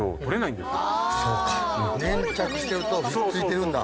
粘着してると引っ付いてるんだ。